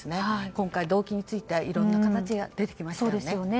今回、動機についていろいろ出てきましたよね。